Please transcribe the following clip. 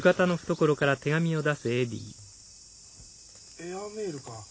エアメールか。